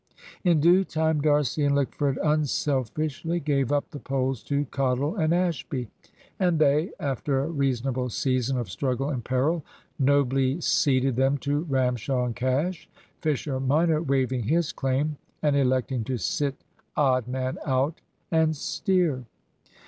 In due time D'Arcy and Lickford unselfishly gave up the poles to Cottle and Ashby; and they, after a reasonable season of struggle and peril, nobly ceded them to Ramshaw and Cash, Fisher minor waiving his claim, and electing to sit "odd man out" and steer.